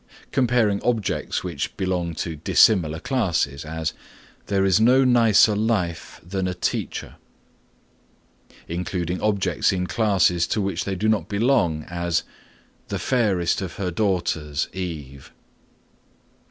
(2) Comparing objects which belong to dissimilar classes; as "There is no nicer life than a teacher." (3) Including objects in class to which they do not belong; as, "The fairest of her daughters, Eve."